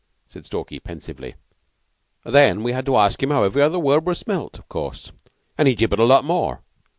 said Stalky, pensively. "Then we had to ask him how every other word was spelt, of course, and he gibbered a lot more.